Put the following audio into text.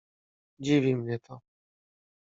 Dziwi mnie to.